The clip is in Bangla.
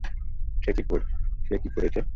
সে কী করেছে?